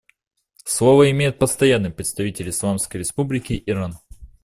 Слово имеет Постоянный представитель Исламской Республики Иран.